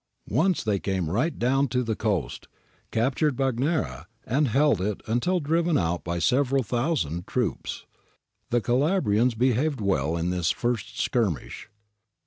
Once they came right down to the coast, captured Bagnara, and held it until driven out by several thousand troops. The Cala brians behaved well in this first skirmish.